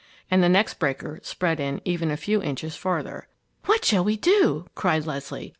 And the next breaker spread in even a few inches further. "What shall we do?" cried Leslie.